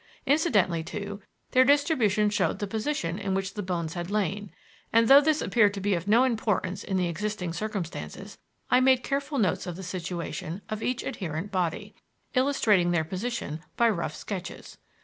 Incidentally, too, their distribution showed the position in which the bones had lain, and though this appeared to be of no importance in the existing circumstances, I made careful notes of the situation of each adherent body, illustrating their position by rough sketches.